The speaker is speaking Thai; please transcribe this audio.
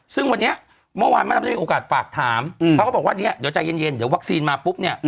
ซึ่งวันนี้เมื่อวานมะดำได้มีโอกาสฝากถามเขาก็บอกว่าเนี่ยเดี๋ยวใจเย็นเดี๋ยววัคซีนมาปุ๊บเนี่ย